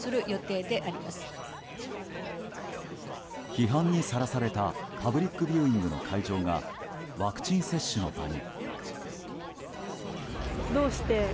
批判にさらされたパブリックビューイングの会場がワクチン接種の場に。